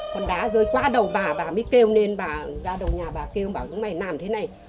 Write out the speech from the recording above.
còn đá rơi qua đầu bà và bà mới kêu nên bà ra đầu nhà bà kêu bảo chúng này làm thế này